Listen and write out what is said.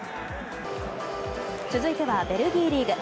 続いてはベルギーリーグ。